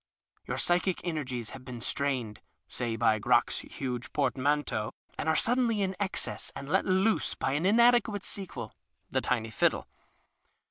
Your psychic energies have been strained (say by Crock's huge portmanteau), and are suddenly in excess and let loose by an inadequate sequel (the tiny fiddle).